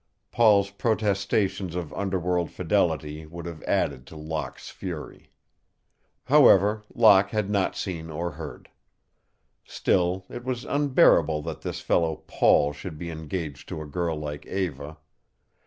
Paul's protestations of underworld fidelity, would have added to Locke's fury. However, Locke had not seen or heard. Still, it was unbearable that this fellow Paul should be engaged to a girl like Eva.